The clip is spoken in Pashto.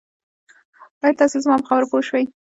آیا تاسي زما په خبرو پوه شوي